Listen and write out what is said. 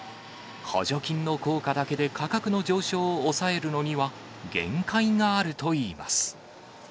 補助金の効果だけで価格の上昇を抑えるのには限界があるといいます。